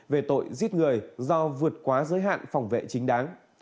về tội giết người do vượt quá giới hạn phòng vệ chính đáng